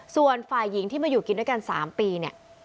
ส่วนฝ่ายหญิงที่มาอยู่กินด้วยกัน๓ปีเนี่ย